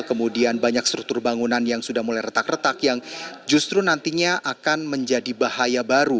kemudian banyak struktur bangunan yang sudah mulai retak retak yang justru nantinya akan menjadi bahaya baru